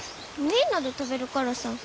みんなで食べるからさ。